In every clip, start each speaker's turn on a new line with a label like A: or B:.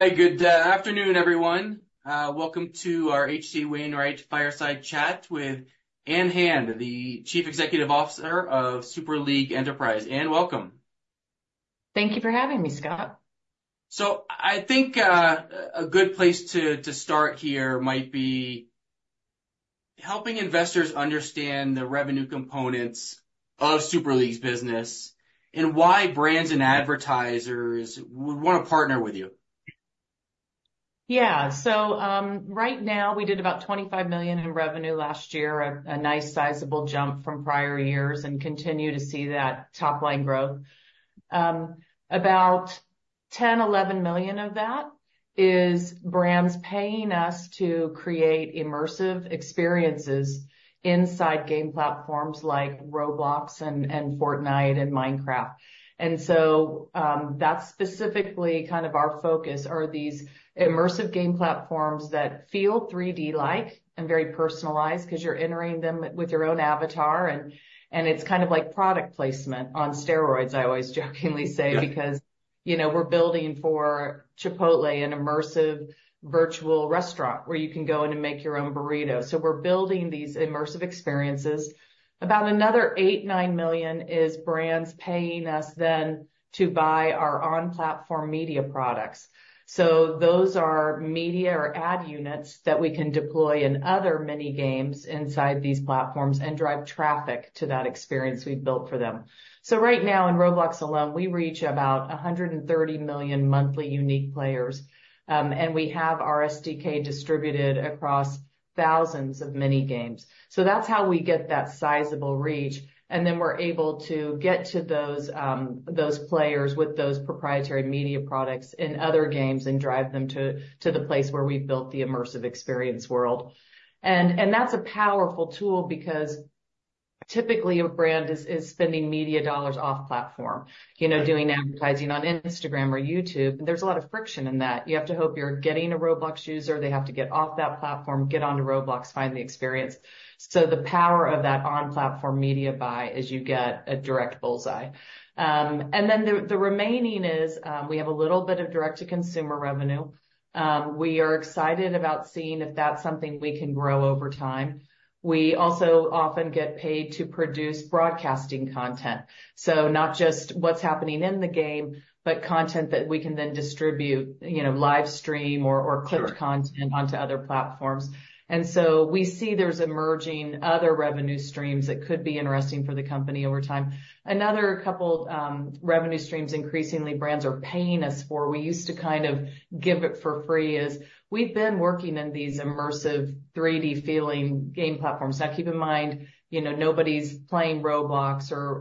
A: Good afternoon, everyone. Welcome to our H.C. Wainwright Fireside Chat with Ann Hand, the Chief Executive Officer of Super League Enterprise. Ann, welcome.
B: Thank you for having me, Scott.
A: I think a good place to start here might be helping investors understand the revenue components of Super League's business and why brands and advertisers would want to partner with you.
B: Yeah. So right now, we did about $25 million in revenue last year, a nice sizable jump from prior years, and continue to see that top-line growth. About $10 billion of that is brands paying us to create immersive experiences inside game platforms like Roblox and Fortnite and Minecraft. And so that's specifically kind of our focus, are these immersive game platforms that feel 3D-like and very personalized because you're entering them with your own avatar. And it's kind of like product placement on steroids, I always jokingly say, because we're building for Chipotle, an immersive virtual restaurant where you can go in and make your own burrito. So we're building these immersive experiences. About another $8 billion is brands paying us then to buy our on-platform media products. So those are media or ad units that we can deploy in other mini-games inside these platforms and drive traffic to that experience we've built for them. So right now, in Roblox alone, we reach about 130 million monthly unique players. And we have our SDK distributed across thousands of mini-games. So that's how we get that sizable reach. And then we're able to get to those players with those proprietary media products in other games and drive them to the place where we've built the immersive experience world. And that's a powerful tool because typically a brand is spending media dollars off-platform, doing advertising on Instagram or YouTube. And there's a lot of friction in that. You have to hope you're getting a Roblox user. They have to get off that platform, get onto Roblox, find the experience. So the power of that on-platform media buy is you get a direct bullseye. And then the remaining is we have a little bit of direct-to-consumer revenue. We are excited about seeing if that's something we can grow over time. We also often get paid to produce broadcasting content. So not just what's happening in the game, but content that we can then distribute, live stream or clipped content onto other platforms. And so we see there's emerging other revenue streams that could be interesting for the company over time. Another couple of revenue streams increasingly brands are paying us for, we used to kind of give it for free, is we've been working in these immersive 3D-feeling game platforms. Now, keep in mind, nobody's playing Roblox or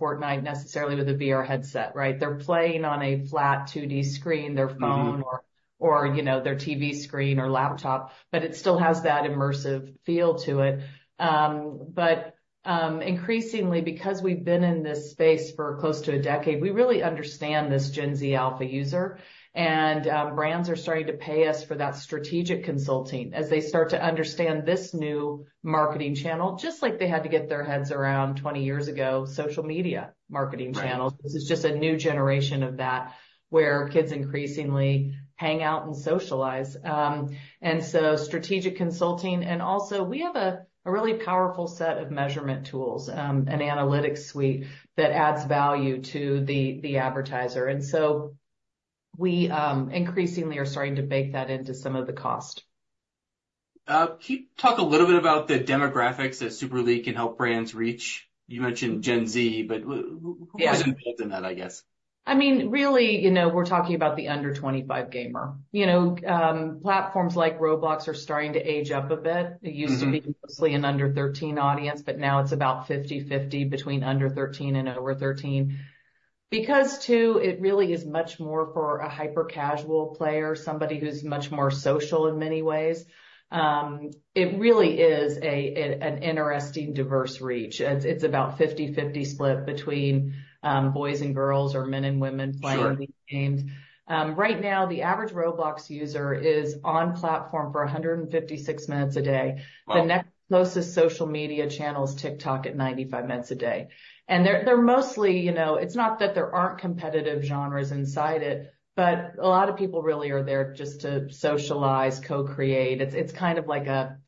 B: Fortnite necessarily with a VR headset, right? They're playing on a flat 2D screen, their phone or their TV screen or laptop, but it still has that immersive feel to it. But increasingly, because we've been in this space for close to a decade, we really understand this Gen Z Alpha user. And brands are starting to pay us for that strategic consulting as they start to understand this new marketing channel, just like they had to get their heads around 20 years ago, social media marketing channels. This is just a new generation of that where kids increasingly hang out and socialize. And so strategic consulting. And also, we have a really powerful set of measurement tools, an analytics suite that adds value to the advertiser. And so we increasingly are starting to bake that into some of the cost.
A: Talk a little bit about the demographics that Super League can help brands reach. You mentioned Gen Z, but who is involved in that, I guess?
B: I mean, really, we're talking about the under-25 gamer. Platforms like Roblox are starting to age up a bit. It used to be mostly an under-13 audience, but now it's about 50/50 between under-13 and over-13. Because, too, it really is much more for a hyper-casual player, somebody who's much more social in many ways. It really is an interesting, diverse reach. It's about a 50/50 split between boys and girls or men and women playing these games. Right now, the average Roblox user is on-platform for 156 minutes a day. The next closest social media channel is TikTok at 95 minutes a day. And they're mostly. It's not that there aren't competitive genres inside it, but a lot of people really are there just to socialize, co-create. It's kind of like a.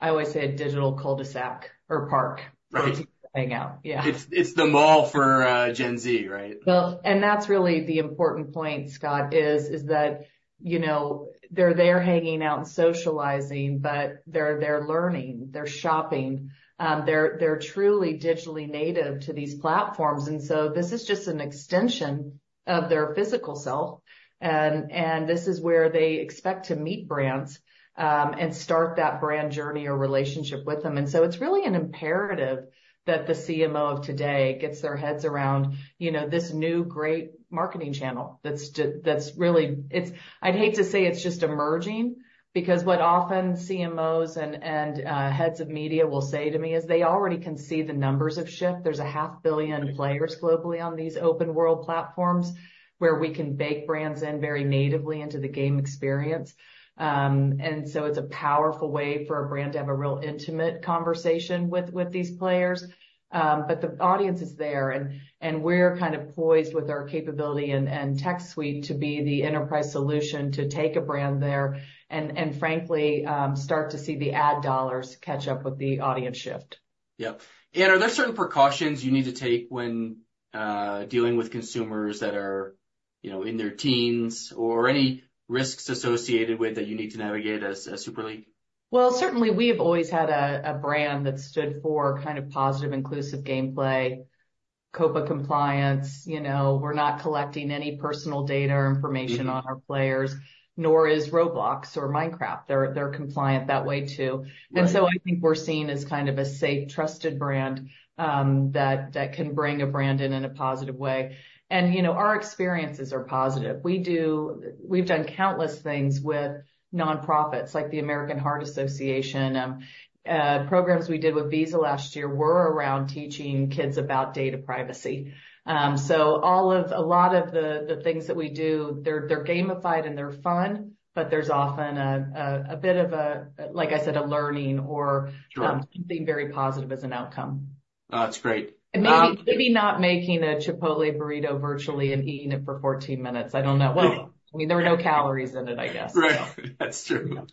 B: I always say a digital cul-de-sac or park for people to hang out. Yeah.
A: It's the mall for Gen Z, right?
B: Well, and that's really the important point, Scott, is that they're there hanging out and socializing, but they're there learning. They're shopping. They're truly digitally native to these platforms. And so this is just an extension of their physical self. And this is where they expect to meet brands and start that brand journey or relationship with them. And so it's really an imperative that the CMO of today gets their heads around this new great marketing channel that's really, I'd hate to say it's just emerging because what often CMOs and heads of media will say to me is they already can see the numbers have shipped. There's 500 million players globally on these open-world platforms where we can bake brands in very natively into the game experience. And so it's a powerful way for a brand to have a real intimate conversation with these players. But the audience is there. And we're kind of poised with our capability and tech suite to be the enterprise solution to take a brand there and, frankly, start to see the ad dollars catch up with the audience shift.
A: Yep. Are there certain precautions you need to take when dealing with consumers that are in their teens or any risks associated with that you need to navigate as Super League?
B: Well, certainly, we have always had a brand that stood for kind of positive, inclusive gameplay, COPPA compliance. We're not collecting any personal data or information on our players, nor is Roblox or Minecraft. They're compliant that way too. And so I think we're seen as kind of a safe, trusted brand that can bring a brand in in a positive way. And our experiences are positive. We've done countless things with nonprofits like the American Heart Association. Programs we did with Visa last year were around teaching kids about data privacy. So a lot of the things that we do, they're gamified and they're fun, but there's often a bit of, like I said, a learning or something very positive as an outcome.
A: That's great.
B: Maybe not making a Chipotle burrito virtually and eating it for 14 minutes. I don't know. Well, I mean, there were no calories in it, I guess.
A: Right. That's true.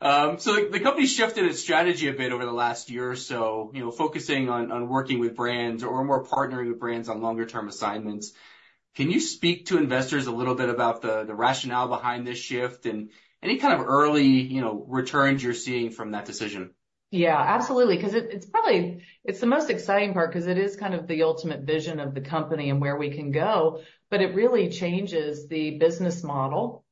A: So the company shifted its strategy a bit over the last year or so, focusing on working with brands or more partnering with brands on longer-term assignments. Can you speak to investors a little bit about the rationale behind this shift and any kind of early returns you're seeing from that decision?
B: Yeah, absolutely. Because it's the most exciting part because it is kind of the ultimate vision of the company and where we can go. But it really changes the business model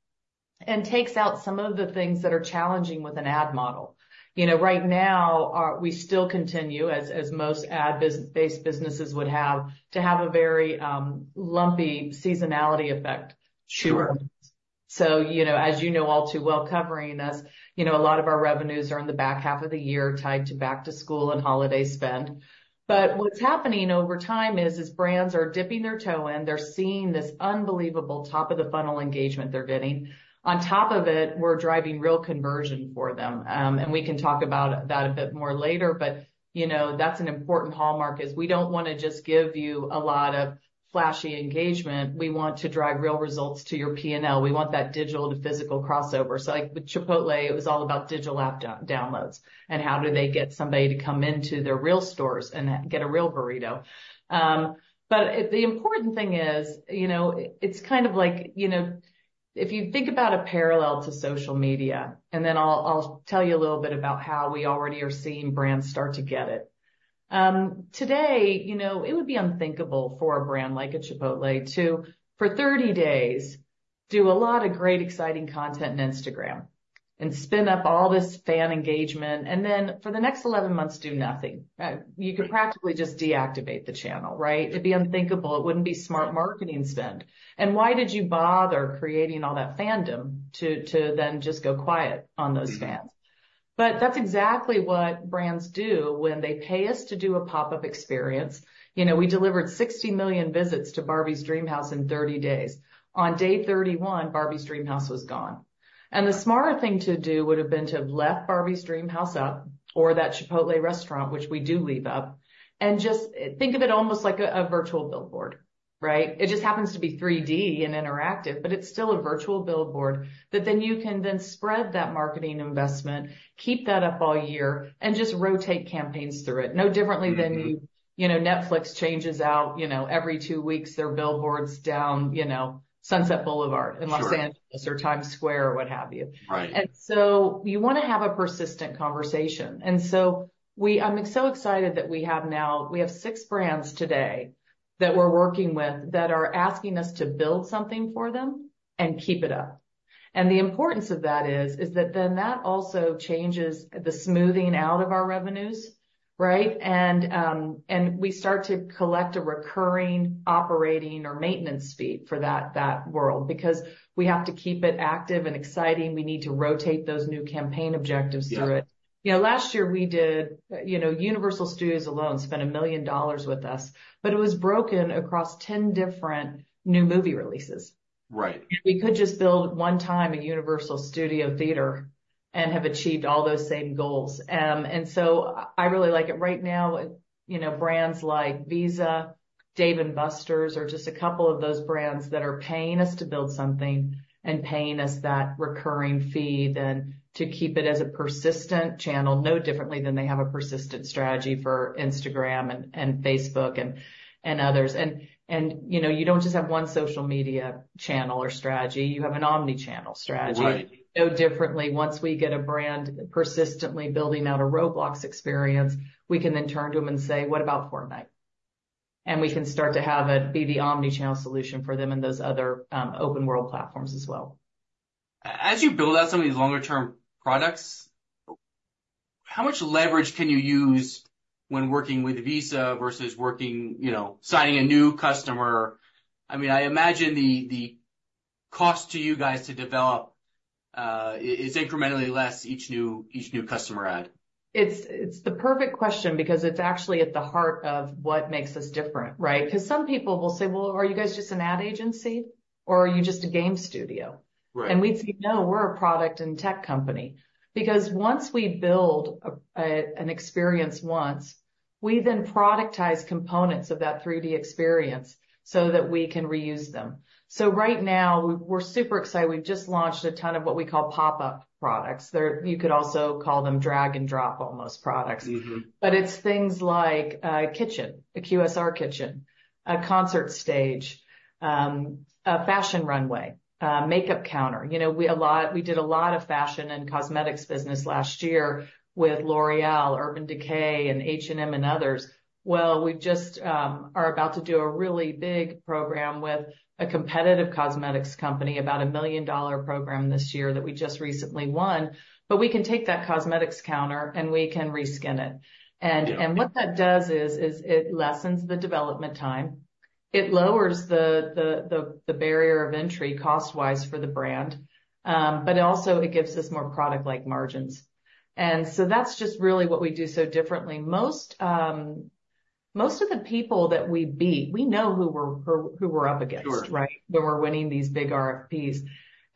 B: and takes out some of the things that are challenging with an ad model. Right now, we still continue, as most ad-based businesses would have, to have a very lumpy seasonality effect. So as you know all too well, covering us, a lot of our revenues are in the back half of the year tied to back-to-school and holiday spend. But what's happening over time is brands are dipping their toe in. They're seeing this unbelievable top-of-the-funnel engagement they're getting. On top of it, we're driving real conversion for them. And we can talk about that a bit more later. But that's an important hallmark is we don't want to just give you a lot of flashy engagement. We want to drive real results to your P&L. We want that digital-to-physical crossover. So with Chipotle, it was all about digital app downloads and how do they get somebody to come into their real stores and get a real burrito. But the important thing is it's kind of like if you think about a parallel to social media, and then I'll tell you a little bit about how we already are seeing brands start to get it. Today, it would be unthinkable for a brand like a Chipotle to, for 30 days, do a lot of great, exciting content on Instagram and spin up all this fan engagement, and then for the next 11 months, do nothing. You could practically just deactivate the channel, right? It'd be unthinkable. It wouldn't be smart marketing spend. Why did you bother creating all that fandom to then just go quiet on those fans? That's exactly what brands do when they pay us to do a pop-up experience. We delivered 60 million visits to Barbie's DreamHouse in 30 days. On day 31, Barbie's DreamHouse was gone. The smarter thing to do would have been to have left Barbie's DreamHouse up or that Chipotle restaurant, which we do leave up, and just think of it almost like a virtual billboard, right? It just happens to be 3D and interactive, but it's still a virtual billboard that then you can then spread that marketing investment, keep that up all year, and just rotate campaigns through it. No differently than Netflix changes out every two weeks their billboards down Sunset Boulevard in Los Angeles or Times Square or what have you. And so you want to have a persistent conversation. And so I'm so excited that we have now we have six brands today that we're working with that are asking us to build something for them and keep it up. And the importance of that is that then that also changes the smoothing out of our revenues, right? And we start to collect a recurring operating or maintenance fee for that world because we have to keep it active and exciting. We need to rotate those new campaign objectives through it. Last year, we did Universal Studios alone spent $1 million with us, but it was broken across 10 different new movie releases. And we could just build one time a Universal Studios Theater and have achieved all those same goals. And so I really like it. Right now, brands like Visa, Dave & Buster's, or just a couple of those brands that are paying us to build something and paying us that recurring fee then to keep it as a persistent channel, no differently than they have a persistent strategy for Instagram and Facebook and others. You don't just have one social media channel or strategy. You have an omnichannel strategy. No differently, once we get a brand persistently building out a Roblox experience, we can then turn to them and say, "What about Fortnite?" We can start to have it be the omnichannel solution for them in those other open-world platforms as well.
A: As you build out some of these longer-term products, how much leverage can you use when working with Visa versus signing a new customer? I mean, I imagine the cost to you guys to develop is incrementally less each new customer ad.
B: It's the perfect question because it's actually at the heart of what makes us different, right? Because some people will say, "Well, are you guys just an ad agency? Or are you just a game studio?" And we'd say, "No, we're a product and tech company." Because once we build an experience once, we then productize components of that 3D experience so that we can reuse them. So right now, we're super excited. We've just launched a ton of what we call pop-up products. You could also call them drag-and-drop almost products. But it's things like a kitchen, a QSR kitchen, a concert stage, a fashion runway, a makeup counter. We did a lot of fashion and cosmetics business last year with L'Oreal, Urban Decay, and H&M and others. Well, we just are about to do a really big program with a competitive cosmetics company, about a $1 million program this year that we just recently won. But we can take that cosmetics counter and we can reskin it. And what that does is it lessens the development time. It lowers the barrier of entry cost-wise for the brand. But also, it gives us more product-like margins. And so that's just really what we do so differently. Most of the people that we beat, we know who we're up against, right, when we're winning these big RFPs.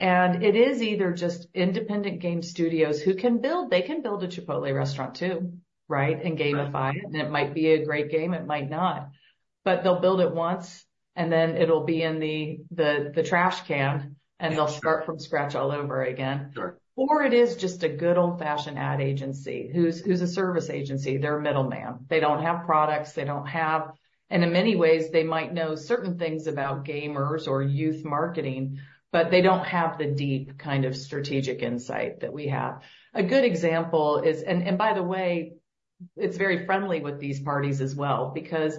B: And it is either just independent game studios who can build. They can build a Chipotle restaurant too, right, and gamify it. And it might be a great game. It might not. But they'll build it once, and then it'll be in the trash can, and they'll start from scratch all over again. Or it is just a good old-fashioned ad agency who's a service agency. They're a middleman. They don't have products, and in many ways, they might know certain things about gamers or youth marketing, but they don't have the deep kind of strategic insight that we have. A good example is, and by the way, it's very friendly with these parties as well because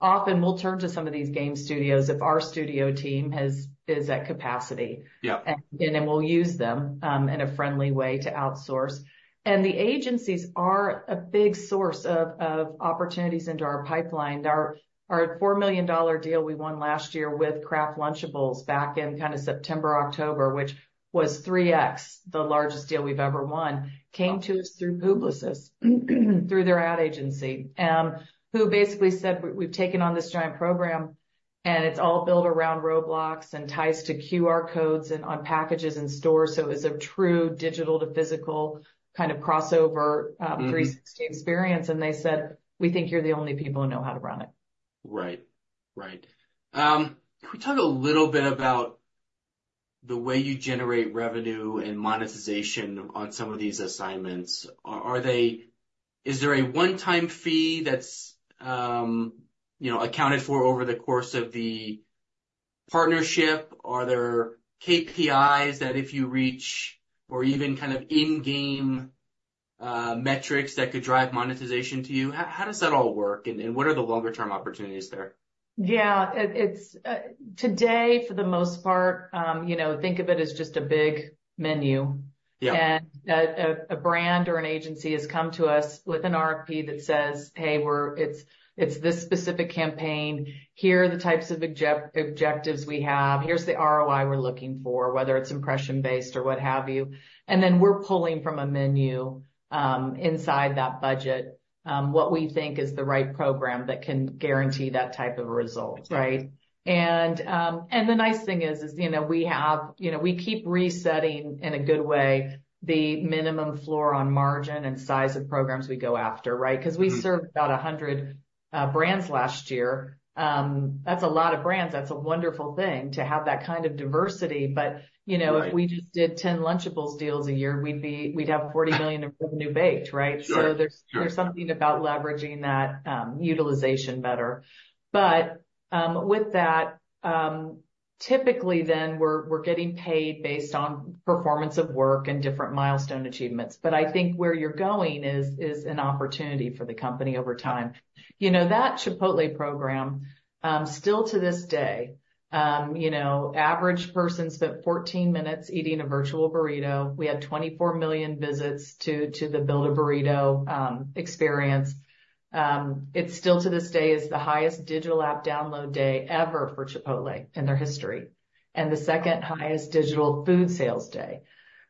B: often we'll turn to some of these game studios if our studio team is at capacity, and then we'll use them in a friendly way to outsource. The agencies are a big source of opportunities into our pipeline. Our $4 million deal we won last year with Kraft Lunchables back in kind of September, October, which was 3x the largest deal we've ever won, came to us through Publicis, through their ad agency, who basically said, "We've taken on this giant program, and it's all built around Roblox and ties to QR codes and on packages and stores. So it's a true digital-to-physical kind of crossover 360 experience." And they said, "We think you're the only people who know how to run it.
A: Right. Can we talk a little bit about the way you generate revenue and monetization on some of these assignments? Is there a one-time fee that's accounted for over the course of the partnership? Are there KPIs that if you reach or even kind of in-game metrics that could drive monetization to you? How does that all work? What are the longer-term opportunities there?
B: Yeah. Today, for the most part, think of it as just a big menu. And a brand or an agency has come to us with an RFP that says, "Hey, it's this specific campaign. Here are the types of objectives we have. Here's the ROI we're looking for, whether it's impression-based or what have you." And then we're pulling from a menu inside that budget what we think is the right program that can guarantee that type of result, right? And the nice thing is we have—we keep resetting in a good way the minimum floor on margin and size of programs we go after, right? Because we served about 100 brands last year. That's a lot of brands. That's a wonderful thing to have that kind of diversity. But if we just did 10 Lunchables deals a year, we'd have $40 million of revenue baked, right? So there's something about leveraging that utilization better. But with that, typically then, we're getting paid based on performance of work and different milestone achievements. But I think where you're going is an opportunity for the company over time. That Chipotle program, still to this day, average person spent 14 minutes eating a virtual burrito. We had 24 million visits to the build-a-burrito experience. It still to this day is the highest digital app download day ever for Chipotle in their history and the second highest digital food sales day.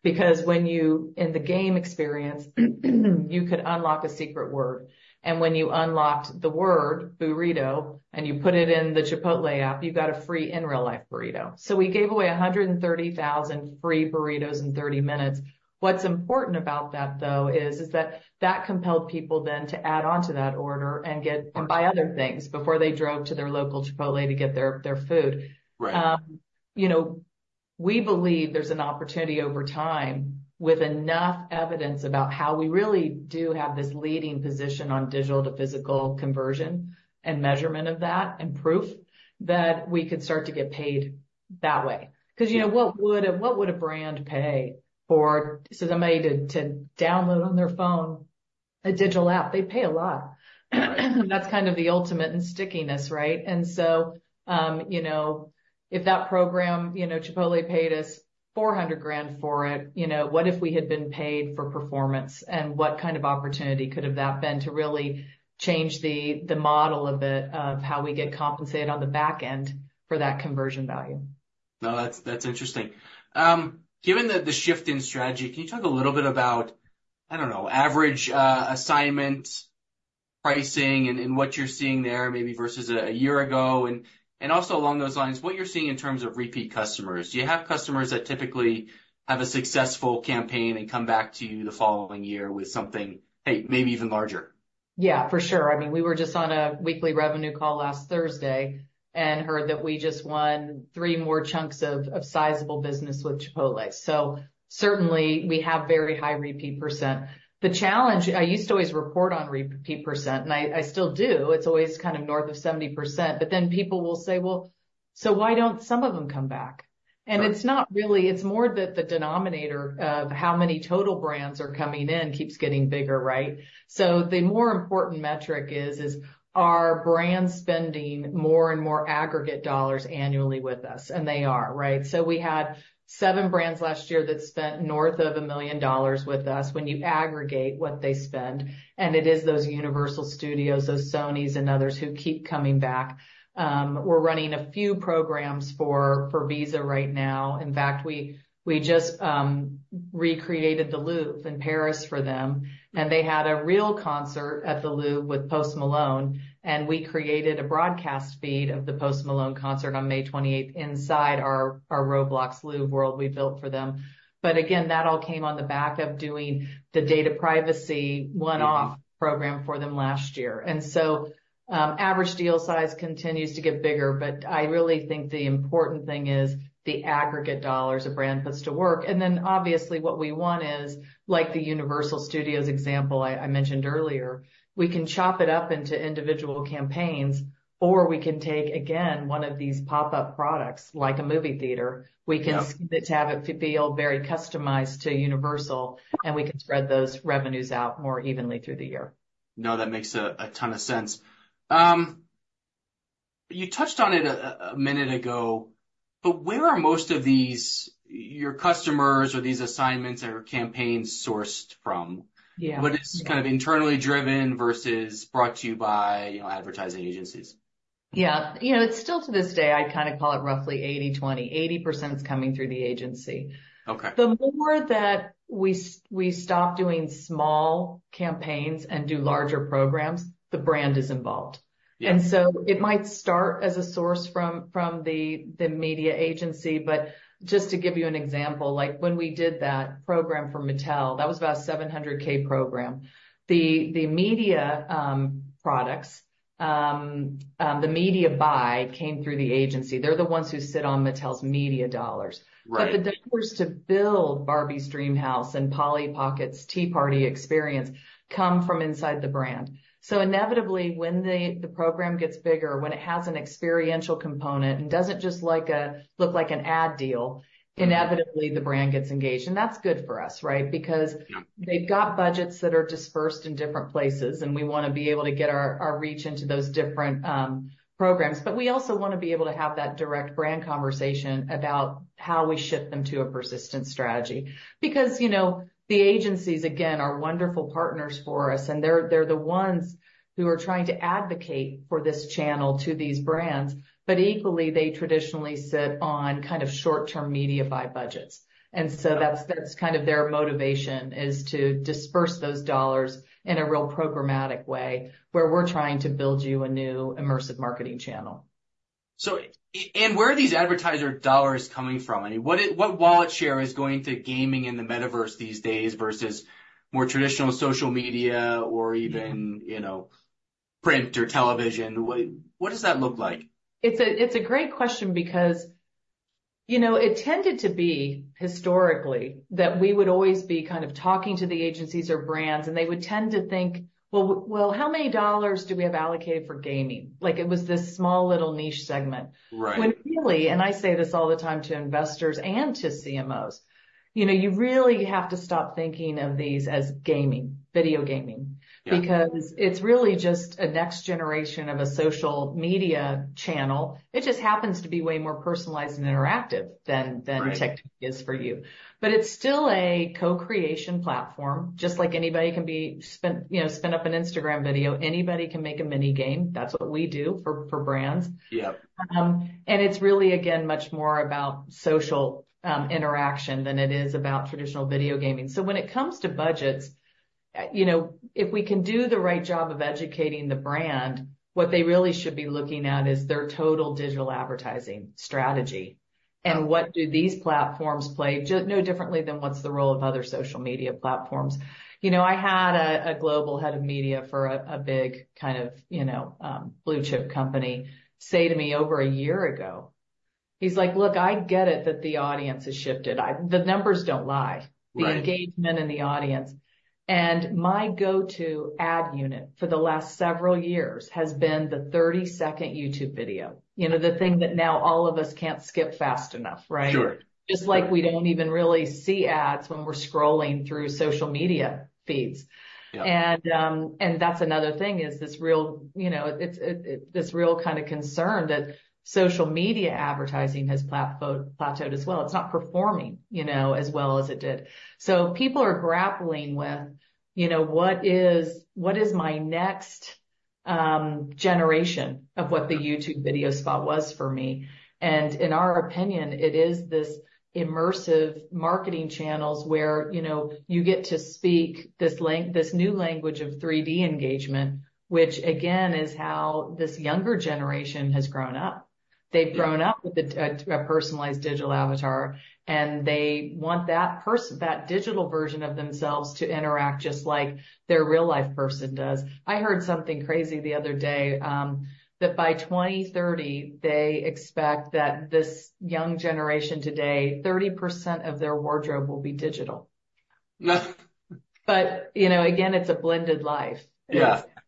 B: Because in the game experience, you could unlock a secret word. And when you unlocked the word, burrito, and you put it in the Chipotle app, you got a free in real life burrito. So we gave away 130,000 free burritos in 30 minutes. What's important about that, though, is that that compelled people then to add on to that order and buy other things before they drove to their local Chipotle to get their food. We believe there's an opportunity over time with enough evidence about how we really do have this leading position on digital-to-physical conversion and measurement of that and proof that we could start to get paid that way. Because what would a brand pay for somebody to download on their phone a digital app? They pay a lot. That's kind of the ultimate in stickiness, right? And so if that program, Chipotle paid us $400,000 for it, what if we had been paid for performance? And what kind of opportunity could have that been to really change the model of how we get compensated on the back end for that conversion value?
A: No, that's interesting. Given the shift in strategy, can you talk a little bit about, I don't know, average assignment pricing and what you're seeing there maybe versus a year ago? And also along those lines, what you're seeing in terms of repeat customers? Do you have customers that typically have a successful campaign and come back to you the following year with something, hey, maybe even larger?
B: Yeah, for sure. I mean, we were just on a weekly revenue call last Thursday and heard that we just won three more chunks of sizable business with Chipotle. So certainly, we have very high repeat percent. The challenge, I used to always report on repeat percent, and I still do. It's always kind of north of 70%. But then people will say, "Well, so why don't some of them come back?" And it's not really, it's more that the denominator of how many total brands are coming in keeps getting bigger, right? So the more important metric is, are brands spending more and more aggregate dollars annually with us? And they are, right? So we had seven brands last year that spent north of $1 million with us when you aggregate what they spend. And it is those Universal Studios, those Sonys, and others who keep coming back. We're running a few programs for Visa right now. In fact, we just recreated the Louvre in Paris for them. And they had a real concert at the Louvre with Post Malone. And we created a broadcast feed of the Post Malone concert on May 28th inside our Roblox Louvre world we built for them. But again, that all came on the back of doing the data privacy one-off program for them last year. And so average deal size continues to get bigger. But I really think the important thing is the aggregate dollars a brand puts to work. And then obviously, what we want is, like the Universal Studios example I mentioned earlier, we can chop it up into individual campaigns, or we can take, again, one of these pop-up products like a movie theater. We can split to have it feel very customized to Universal, and we can spread those revenues out more evenly through the year.
A: No, that makes a ton of sense. You touched on it a minute ago, but where are most of your customers or these assignments or campaigns sourced from? What is kind of internally driven versus brought to you by advertising agencies?
B: Yeah. It's still to this day, I'd kind of call it roughly 80/20. 80% is coming through the agency. The more that we stop doing small campaigns and do larger programs, the brand is involved. And so it might start as a source from the media agency. But just to give you an example, when we did that program for Mattel, that was about a $700,000 program. The media products, the media buy came through the agency. They're the ones who sit on Mattel's media dollars. But the dollars to build Barbie's DreamHouse and Polly Pocket's Tea Party experience come from inside the brand. So inevitably, when the program gets bigger, when it has an experiential component and doesn't just look like an ad deal, inevitably, the brand gets engaged. And that's good for us, right? Because they've got budgets that are dispersed in different places, and we want to be able to get our reach into those different programs. But we also want to be able to have that direct brand conversation about how we shift them to a persistent strategy. Because the agencies, again, are wonderful partners for us, and they're the ones who are trying to advocate for this channel to these brands. But equally, they traditionally sit on kind of short-term media buy budgets. And so that's kind of their motivation is to disperse those dollars in a real programmatic way where we're trying to build you a new immersive marketing channel.
A: So where are these advertiser dollars coming from? I mean, what wallet share is going to gaming in the metaverse these days versus more traditional social media or even print or television? What does that look like?
B: It's a great question because it tended to be historically that we would always be kind of talking to the agencies or brands, and they would tend to think, "Well, how many dollars do we have allocated for gaming?" It was this small little niche segment. When really, and I say this all the time to investors and to CMOs, you really have to stop thinking of these as gaming, video gaming. Because it's really just a next generation of a social media channel. It just happens to be way more personalized and interactive than technically is for you. But it's still a co-creation platform, just like anybody can spin up an Instagram video. Anybody can make a mini game. That's what we do for brands. And it's really, again, much more about social interaction than it is about traditional video gaming. So when it comes to budgets, if we can do the right job of educating the brand, what they really should be looking at is their total digital advertising strategy. And what do these platforms play no differently than what's the role of other social media platforms? I had a global head of media for a big kind of blue chip company say to me over a year ago, he's like, "Look, I get it that the audience has shifted. The numbers don't lie. The engagement and the audience." And my go-to ad unit for the last several years has been the 30-second YouTube video. The thing that now all of us can't skip fast enough, right? Just like we don't even really see ads when we're scrolling through social media feeds. And that's another thing is this real kind of concern that social media advertising has plateaued as well. It's not performing as well as it did. So people are grappling with, "What is my next generation of what the YouTube video spot was for me?" And in our opinion, it is this immersive marketing channels where you get to speak this new language of 3D engagement, which again is how this younger generation has grown up. They've grown up with a personalized digital avatar, and they want that digital version of themselves to interact just like their real-life person does. I heard something crazy the other day that by 2030, they expect that this young generation today, 30% of their wardrobe will be digital. But again, it's a blended life.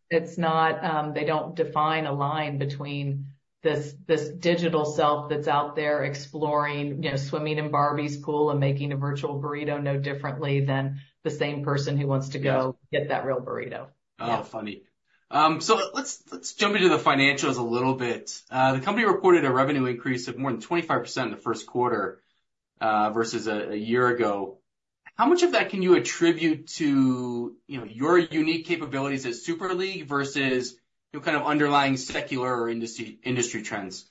B: It's not they don't define a line between this digital self that's out there exploring, swimming in Barbie's pool and making a virtual burrito no differently than the same person who wants to go get that real burrito.
A: Oh, funny. So let's jump into the financials a little bit. The company reported a revenue increase of more than 25% in the first quarter versus a year ago. How much of that can you attribute to your unique capabilities at Super League versus kind of underlying secular or industry trends?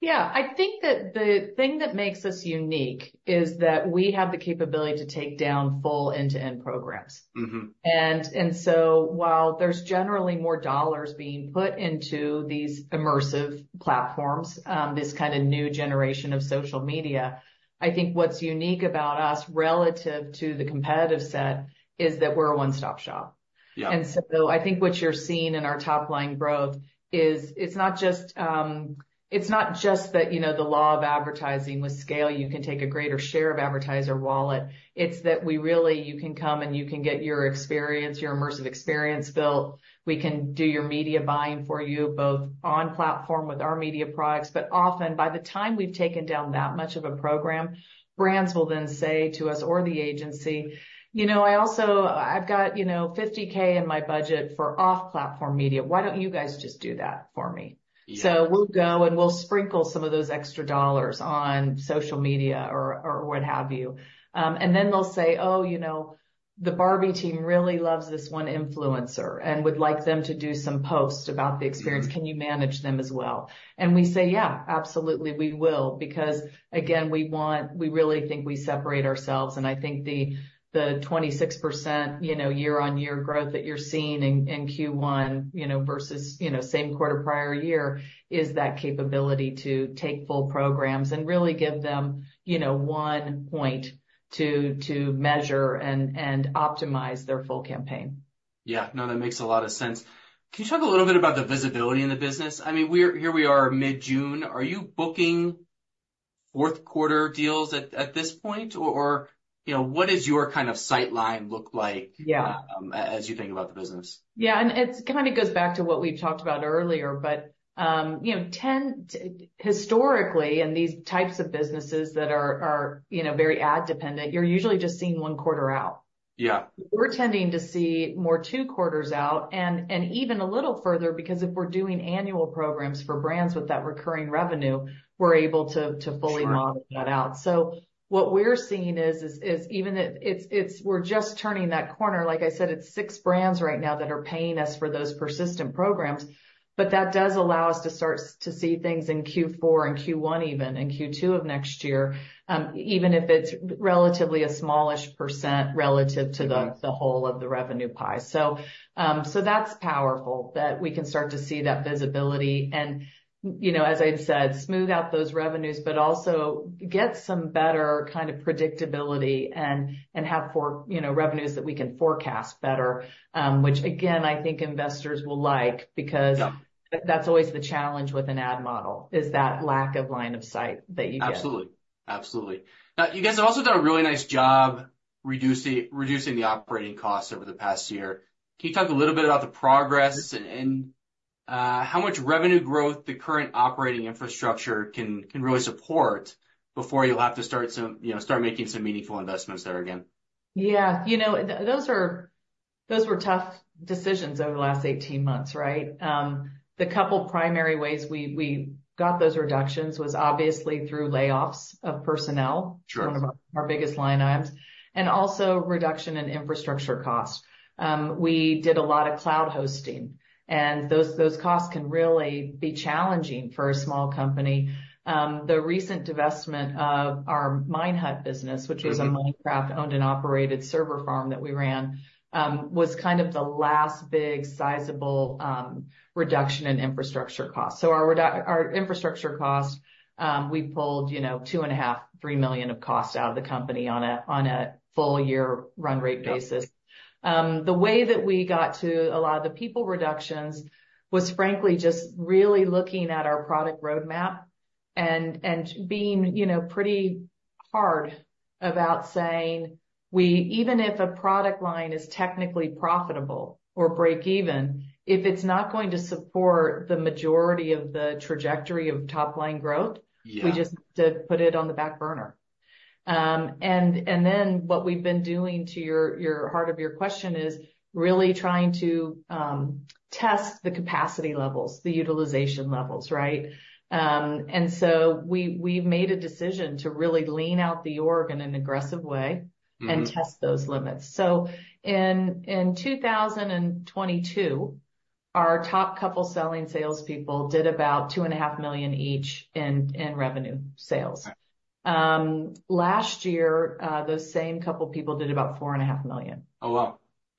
B: Yeah. I think that the thing that makes us unique is that we have the capability to take down full end-to-end programs. So while there's generally more dollars being put into these immersive platforms, this kind of new generation of social media, I think what's unique about us relative to the competitive set is that we're a one-stop shop. So I think what you're seeing in our top-line growth is it's not just that the law of advertising with scale, you can take a greater share of advertiser wallet. It's that we really you can come and you can get your experience, your immersive experience built. We can do your media buying for you both on platform with our media products. But often, by the time we've taken down that much of a program, brands will then say to us or the agency, "I've got $50,000 in my budget for off-platform media. Why don't you guys just do that for me?" So we'll go and we'll sprinkle some of those extra dollars on social media or what have you. And then they'll say, "Oh, the Barbie team really loves this one influencer and would like them to do some posts about the experience. Can you manage them as well?" And we say, "Yeah, absolutely. We will." Because again, we really think we separate ourselves. And I think the 26% year-on-year growth that you're seeing in Q1 versus same quarter prior year is that capability to take full programs and really give them one-to-one measure and optimize their full campaign.
A: Yeah. No, that makes a lot of sense. Can you talk a little bit about the visibility in the business? I mean, here we are mid-June. Are you booking fourth-quarter deals at this point? Or what does your kind of sightline look like as you think about the business?
B: Yeah. And it kind of goes back to what we've talked about earlier. But historically, in these types of businesses that are very ad-dependent, you're usually just seeing one quarter out. We're tending to see more two quarters out and even a little further because if we're doing annual programs for brands with that recurring revenue, we're able to fully model that out. So what we're seeing is even we're just turning that corner. Like I said, it's six brands right now that are paying us for those persistent programs. But that does allow us to start to see things in Q4 and Q1 even, and Q2 of next year, even if it's relatively a smallish percent relative to the whole of the revenue pie. So that's powerful that we can start to see that visibility. As I said, smooth out those revenues, but also get some better kind of predictability and have revenues that we can forecast better, which again, I think investors will like because that's always the challenge with an ad model, is that lack of line of sight that you get.
A: Absolutely. Now, you guys have also done a really nice job reducing the operating costs over the past year. Can you talk a little bit about the progress and how much revenue growth the current operating infrastructure can really support before you'll have to start making some meaningful investments there again?
B: Yeah. Those were tough decisions over the last 18 months, right? The couple of primary ways we got those reductions was obviously through layoffs of personnel, one of our biggest line items, and also reduction in infrastructure costs. We did a lot of cloud hosting. Those costs can really be challenging for a small company. The recent divestment of our Minehut business, which was a Minecraft-owned and operated server farm that we ran, was kind of the last big sizable reduction in infrastructure costs. Our infrastructure costs, we pulled $2.5 million-$3 million of costs out of the company on a full-year run rate basis. The way that we got to a lot of the people reductions was, frankly, just really looking at our product roadmap and being pretty hard about saying, "Even if a product line is technically profitable or break-even, if it's not going to support the majority of the trajectory of top-line growth, we just have to put it on the back burner." And then what we've been doing to your heart of your question is really trying to test the capacity levels, the utilization levels, right? And so we've made a decision to really lean out the org in an aggressive way and test those limits. So in 2022, our top couple of selling salespeople did about $2.5 million each in revenue sales. Last year, those same couple of people did about $4.5 million.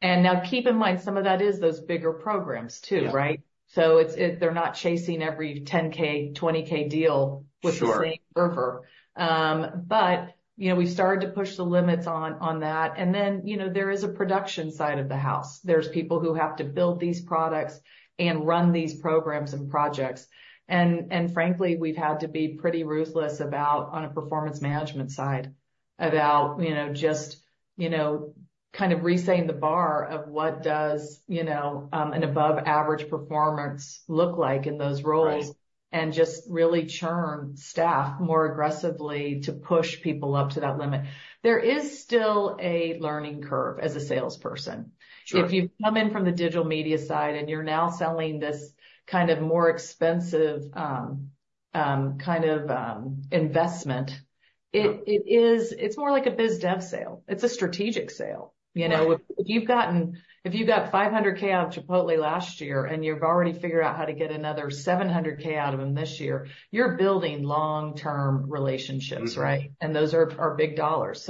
B: Now keep in mind, some of that is those bigger programs too, right? They're not chasing every $10,000, $20,000 deal with the same fervor. We started to push the limits on that. Then there is a production side of the house. There's people who have to build these products and run these programs and projects. Frankly, we've had to be pretty ruthless on a performance management side about just kind of resetting the bar of what does an above-average performance look like in those roles and just really churn staff more aggressively to push people up to that limit. There is still a learning curve as a salesperson. If you've come in from the digital media side and you're now selling this kind of more expensive kind of investment, it's more like a biz dev sale. It's a strategic sale. If you've got $500,000 out of Chipotle last year and you've already figured out how to get another $700,000 out of them this year, you're building long-term relationships, right? Those are big dollars.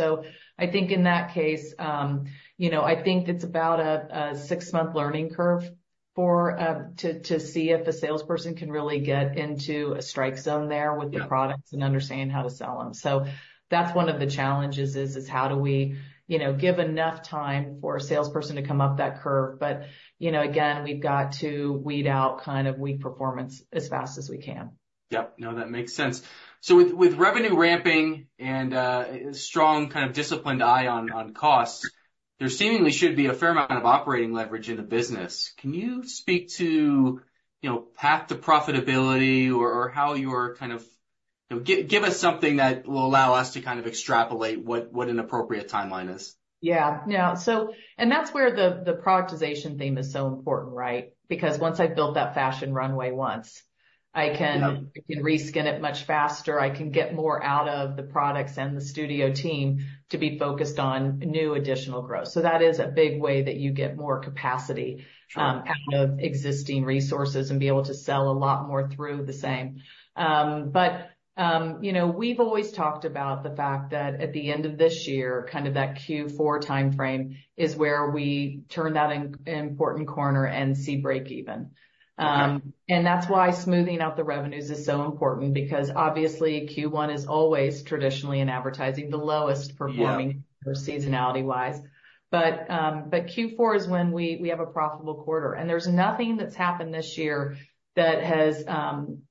B: I think in that case, I think it's about a six-month learning curve to see if a salesperson can really get into a strike zone there with the products and understand how to sell them. That's one of the challenges is how do we give enough time for a salesperson to come up that curve. But again, we've got to weed out kind of weak performance as fast as we can.
A: Yep. No, that makes sense. So with revenue ramping and a strong kind of disciplined eye on costs, there seemingly should be a fair amount of operating leverage in the business. Can you speak to path to profitability or how you're kind of give us something that will allow us to kind of extrapolate what an appropriate timeline is?
B: Yeah. And that's where the productization theme is so important, right? Because once I've built that fashion runway once, I can reskin it much faster. I can get more out of the products and the studio team to be focused on new additional growth. So that is a big way that you get more capacity out of existing resources and be able to sell a lot more through the same. But we've always talked about the fact that at the end of this year, kind of that Q4 timeframe is where we turn that important corner and see break-even. And that's why smoothing out the revenues is so important because obviously Q1 is always traditionally in advertising the lowest performing seasonality-wise. But Q4 is when we have a profitable quarter. And there's nothing that's happened this year that has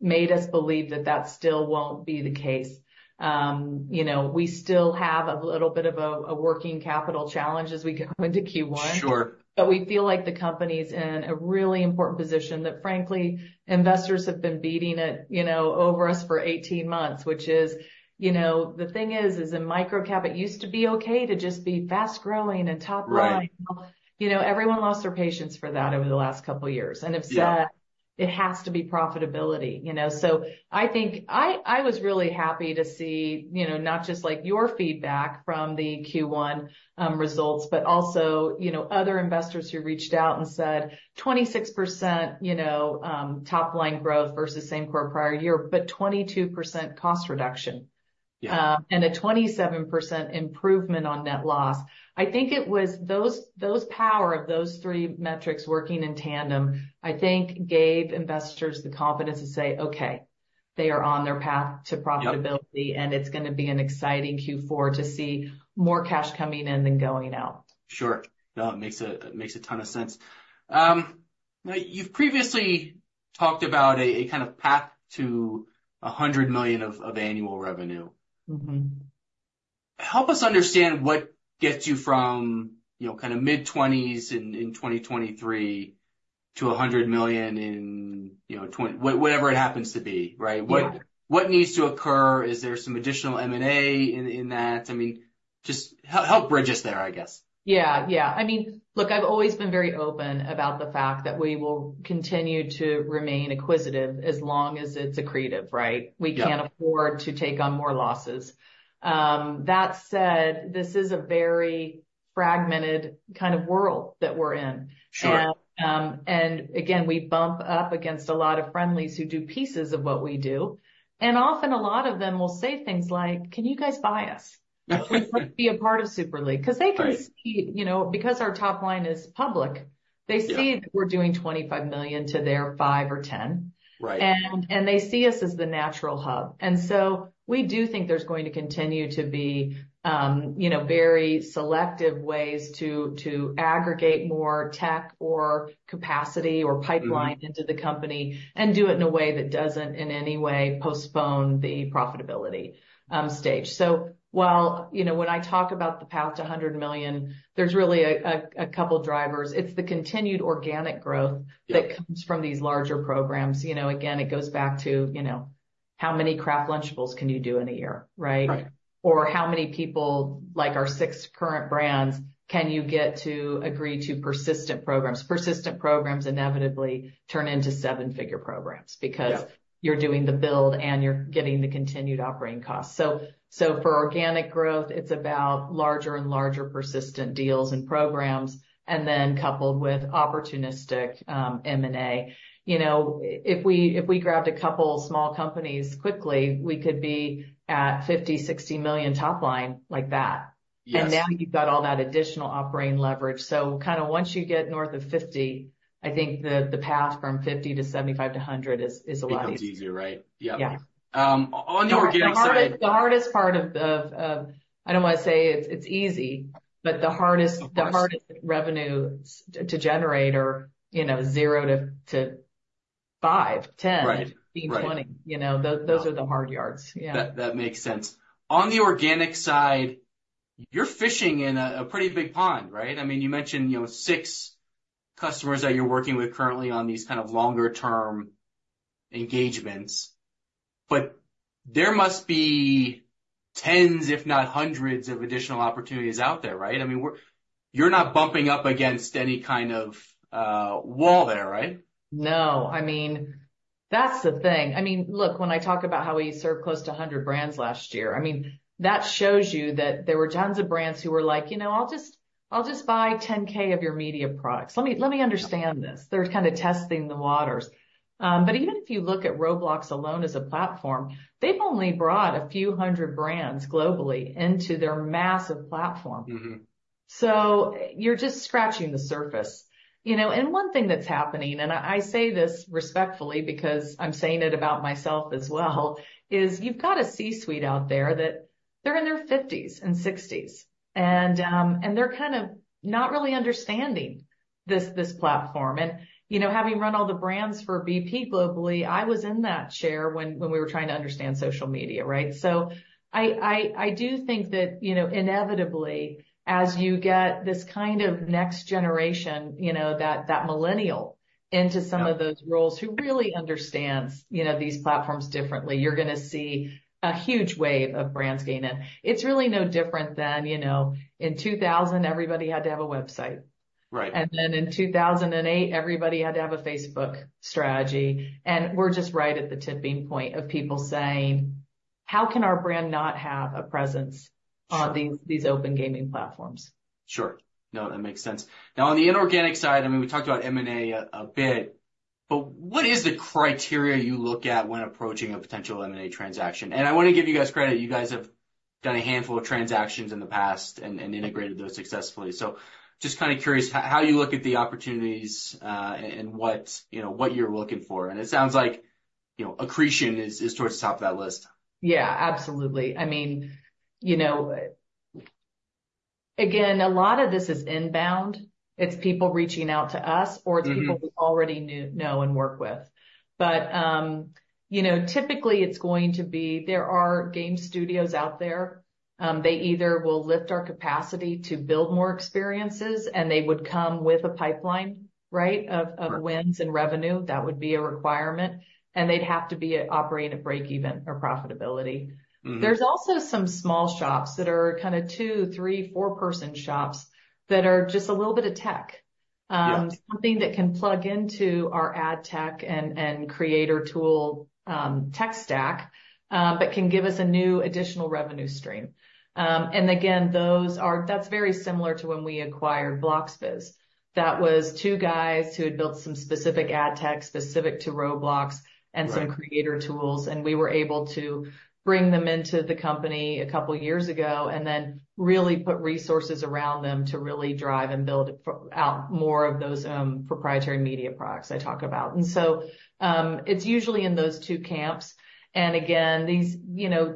B: made us believe that that still won't be the case. We still have a little bit of a working capital challenge as we go into Q1. But we feel like the company's in a really important position that frankly, investors have been beating it over us for 18 months, which is the thing, is in microcap, it used to be okay to just be fast-growing and top-line. Everyone lost their patience for that over the last couple of years. And if that, it has to be profitability. So I think I was really happy to see not just your feedback from the Q1 results, but also other investors who reached out and said 26% top-line growth versus same quarter prior year, but 22% cost reduction and a 27% improvement on net loss. I think it was the power of those three metrics working in tandem, I think gave investors the confidence to say, "Okay, they are on their path to profitability, and it's going to be an exciting Q4 to see more cash coming in than going out.
A: Sure. No, it makes a ton of sense. Now, you've previously talked about a kind of path to $100 million of annual revenue. Help us understand what gets you from kind of mid-$20s in 2023 to $100 million in whatever it happens to be, right? What needs to occur? Is there some additional M&A in that? I mean, just help bridge us there, I guess.
B: Yeah. Yeah. I mean, look, I've always been very open about the fact that we will continue to remain acquisitive as long as it's accretive, right? We can't afford to take on more losses. That said, this is a very fragmented kind of world that we're in. And again, we bump up against a lot of friendlies who do pieces of what we do. And often, a lot of them will say things like, "Can you guys buy us? We'd like to be a part of Super League." Because they can see because our top line is public, they see that we're doing $25 million to their $5 million or $10 million. And they see us as the natural hub. And so we do think there's going to continue to be very selective ways to aggregate more tech or capacity or pipeline into the company and do it in a way that doesn't in any way postpone the profitability stage. So while when I talk about the path to $100 million, there's really a couple of drivers. It's the continued organic growth that comes from these larger programs. Again, it goes back to how many Kraft Lunchables can you do in a year, right? Or how many people, like our six current brands, can you get to agree to persistent programs? Persistent programs inevitably turn into seven-figure programs because you're doing the build and you're getting the continued operating costs. So for organic growth, it's about larger and larger persistent deals and programs, and then coupled with opportunistic M&A. If we grabbed a couple of small companies quickly, we could be at $50 million-$60 million top line like that. And now you've got all that additional operating leverage. So kind of once you get north of $50 million, I think the path from $50 million to $75 million to $100 million is a lot easier.
A: It becomes easier, right? Yeah. On the organic side.
B: The hardest part of, I don't want to say it's easy, but the hardest revenue to generate are $0-$5, $10, $15, $20. Those are the hard yards. Yeah.
A: That makes sense. On the organic side, you're fishing in a pretty big pond, right? I mean, you mentioned six customers that you're working with currently on these kind of longer-term engagements. But there must be tens, if not hundreds, of additional opportunities out there, right? I mean, you're not bumping up against any kind of wall there, right?
B: No. I mean, that's the thing. I mean, look, when I talk about how we served close to 100 brands last year, I mean, that shows you that there were tons of brands who were like, "I'll just buy 10,000 of your media products. Let me understand this." They're kind of testing the waters. But even if you look at Roblox alone as a platform, they've only brought a few hundred brands globally into their massive platform. So you're just scratching the surface. And one thing that's happening, and I say this respectfully because I'm saying it about myself as well, is you've got a C-suite out there that they're in their 50s and 60s, and they're kind of not really understanding this platform. And having run all the brands for BP globally, I was in that chair when we were trying to understand social media, right? So I do think that inevitably, as you get this kind of next generation, that millennial into some of those roles who really understands these platforms differently, you're going to see a huge wave of brands gaining. It's really no different than in 2000, everybody had to have a website. Then in 2008, everybody had to have a Facebook strategy. We're just right at the tipping point of people saying, "How can our brand not have a presence on these open gaming platforms?
A: Sure. No, that makes sense. Now, on the inorganic side, I mean, we talked about M&A a bit, but what is the criteria you look at when approaching a potential M&A transaction? And I want to give you guys credit. You guys have done a handful of transactions in the past and integrated those successfully. So just kind of curious how you look at the opportunities and what you're looking for. And it sounds like accretion is towards the top of that list.
B: Yeah, absolutely. I mean, again, a lot of this is inbound. It's people reaching out to us, or it's people we already know and work with. But typically, it's going to be there are game studios out there. They either will lift our capacity to build more experiences, and they would come with a pipeline, right, of wins and revenue. That would be a requirement. And they'd have to be operating at break-even or profitability. There's also some small shops that are kind of 2, 3, 4-person shops that are just a little bit of tech, something that can plug into our ad tech and creator tool tech stack, but can give us a new additional revenue stream. And again, that's very similar to when we acquired Bloxbiz. That was two guys who had built some specific ad tech specific to Roblox and some creator tools. We were able to bring them into the company a couple of years ago and then really put resources around them to really drive and build out more of those proprietary media products I talk about. So it's usually in those two camps. And again, these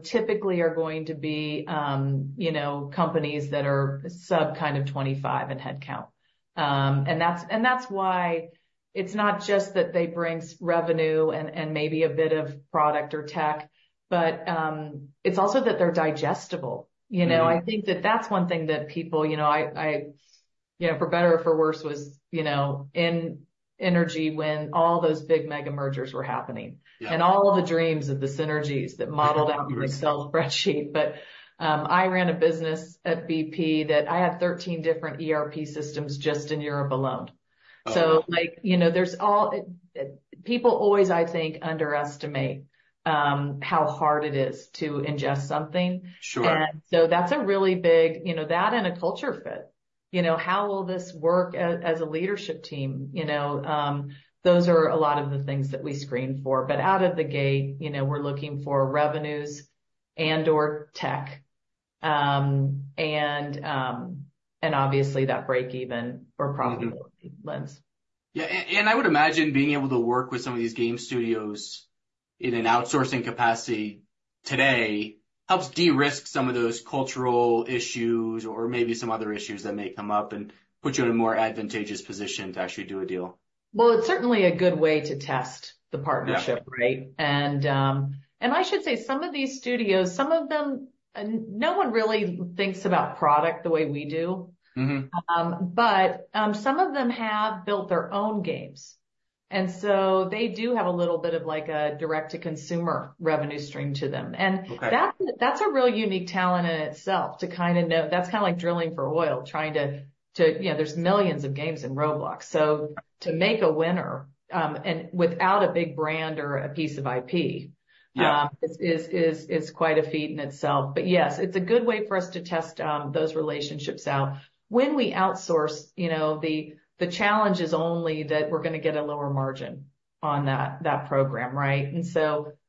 B: typically are going to be companies that are sub kind of 25 in headcount. And that's why it's not just that they bring revenue and maybe a bit of product or tech, but it's also that they're digestible. I think that that's one thing that people, for better or for worse, was in energy when all those big mega mergers were happening and all the dreams of the synergies that modeled out in Excel spreadsheet. But I ran a business at BP that I had 13 different ERP systems just in Europe alone. So, there's all people always, I think, underestimate how hard it is to ingest something. And so that's a really big that and a culture fit. How will this work as a leadership team? Those are a lot of the things that we screen for. But out of the gate, we're looking for revenues and/or tech and obviously that break-even or profitability lens.
A: Yeah. I would imagine being able to work with some of these game studios in an outsourcing capacity today helps de-risk some of those cultural issues or maybe some other issues that may come up and put you in a more advantageous position to actually do a deal.
B: Well, it's certainly a good way to test the partnership, right? And I should say some of these studios, some of them, no one really thinks about product the way we do. But some of them have built their own games. And so they do have a little bit of a direct-to-consumer revenue stream to them. And that's a real unique talent in itself to kind of know. That's kind of like drilling for oil, trying to, there's millions of games in Roblox. So to make a winner without a big brand or a piece of IP is quite a feat in itself. But yes, it's a good way for us to test those relationships out. When we outsource, the challenge is only that we're going to get a lower margin on that program, right?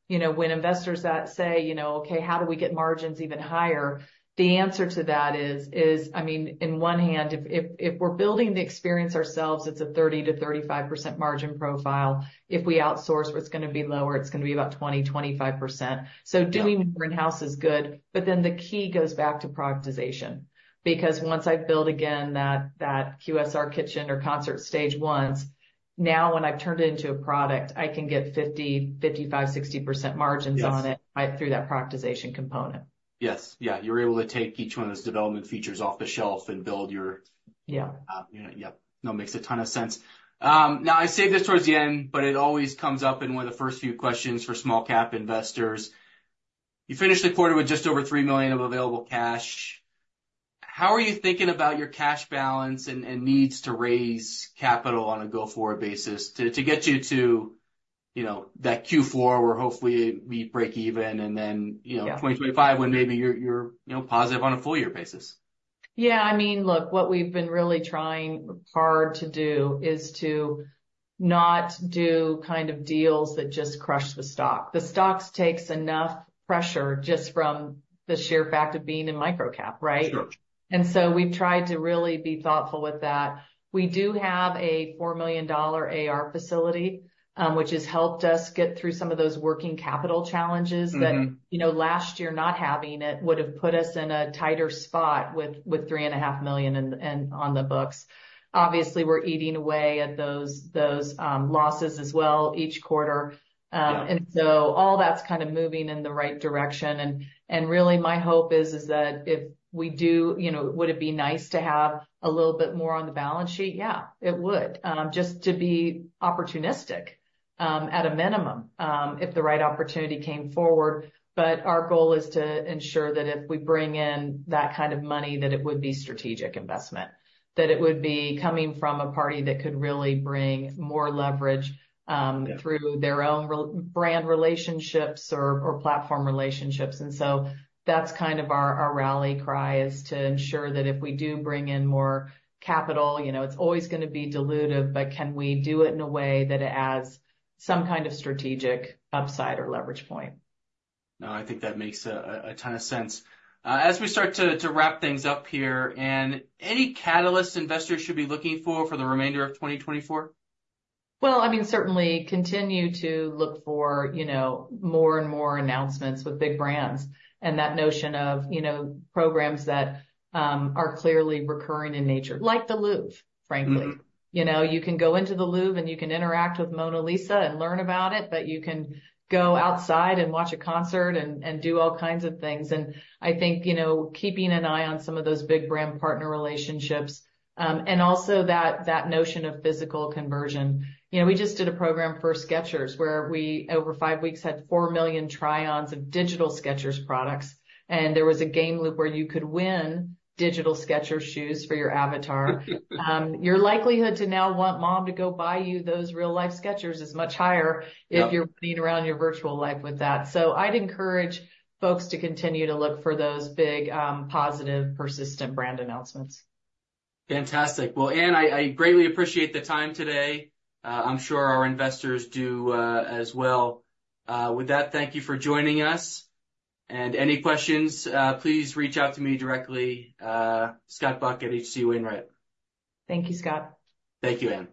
B: When investors say, "Okay, how do we get margins even higher?" The answer to that is, I mean, on one hand, if we're building the experience ourselves, it's a 30%-35% margin profile. If we outsource, it's going to be lower. It's going to be about 20%-25%. So doing more in-house is good. But then the key goes back to productization. Because once I've built again that QSR kitchen or concert stage once, now when I've turned it into a product, I can get 50%, 55%, 60% margins on it through that productization component.
A: Yes. Yeah. You're able to take each one of those development features off the shelf and build your, yeah. No, makes a ton of sense. Now, I saved this towards the end, but it always comes up in one of the first few questions for small-cap investors. You finished the quarter with just over $3 million of available cash. How are you thinking about your cash balance and needs to raise capital on a go-forward basis to get you to that Q4 where hopefully we break even and then 2025 when maybe you're positive on a full-year basis?
B: Yeah. I mean, look, what we've been really trying hard to do is to not do kind of deals that just crush the stock. The stocks take enough pressure just from the sheer fact of being in microcap, right? And so we've tried to really be thoughtful with that. We do have a $4 million AR facility, which has helped us get through some of those working capital challenges that last year not having it would have put us in a tighter spot with $3.5 million on the books. Obviously, we're eating away at those losses as well each quarter. And so all that's kind of moving in the right direction. And really, my hope is that if we do, would it be nice to have a little bit more on the balance sheet? Yeah, it would. Just to be opportunistic at a minimum if the right opportunity came forward. Our goal is to ensure that if we bring in that kind of money, that it would be strategic investment, that it would be coming from a party that could really bring more leverage through their own brand relationships or platform relationships. That's kind of our rally cry is to ensure that if we do bring in more capital, it's always going to be dilutive, but can we do it in a way that it adds some kind of strategic upside or leverage point?
A: No, I think that makes a ton of sense. As we start to wrap things up here, and any catalysts investors should be looking for for the remainder of 2024?
B: Well, I mean, certainly continue to look for more and more announcements with big brands and that notion of programs that are clearly recurring in nature, like the Louvre, frankly. You can go into the Louvre and you can interact with Mona Lisa and learn about it, but you can go outside and watch a concert and do all kinds of things. And I think keeping an eye on some of those big brand partner relationships and also that notion of physical conversion. We just did a program for Skechers where we, over five weeks, had 4 million try-ons of digital Skechers products. And there was a game loop where you could win digital Skechers shoes for your avatar. Your likelihood to now want mom to go buy you those real-life Skechers is much higher if you're running around your virtual life with that. I'd encourage folks to continue to look for those big positive, persistent brand announcements.
A: Fantastic. Well, Ann, I greatly appreciate the time today. I'm sure our investors do as well. With that, thank you for joining us. And any questions, please reach out to me directly, Scott Buck at H.C. Wainwright.
B: Thank you, Scott.
A: Thank you, Ann.